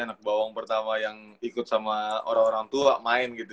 anak bawang pertama yang ikut sama orang orang tua main gitu